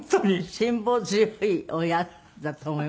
辛抱強い親だと思いますよ。